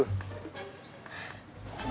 kenapa kau ngeliatin saya seperti itu